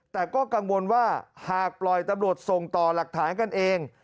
แต่ก็กังวลว่าหากปล่อยตำรวจส่งต่อหลักฐานกันเอง